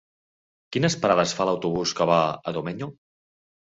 Quines parades fa l'autobús que va a Domenyo?